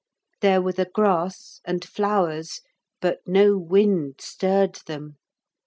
There were the grass and flowers, but no wind stirred them.